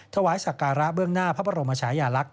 ถวายสักการะเบื้องหน้าพระบรมชายาลักษ